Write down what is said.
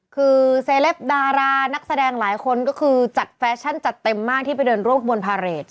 คือเซเลปดารานักแสดงหลายคนก็คือจัดแฟชั่นจัดเต็มมากที่ไปเดินร่วมบนพาเรท